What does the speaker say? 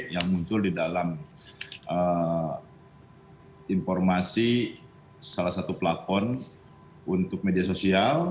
yang muncul di dalam informasi salah satu plafon untuk media sosial